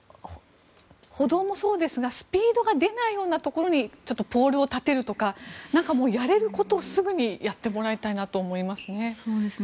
歩道もそうですがスピードが出ないようなところにちょっとポールを立てるとかやれることをすぐにやってもらいたいなと思いますね。